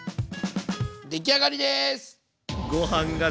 出来上がりです。